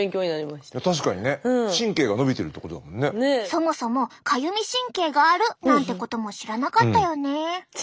そもそもかゆみ神経があるなんてことも知らなかったよね。